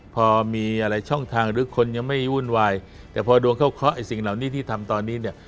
พอมีอะไรช่องทางหรือคนยังไม่วุ่นวายแต่พอดวงเข้าเคาะไอ้สิ่งเหล่านี้ที่ทำตอนนี้เนี่ย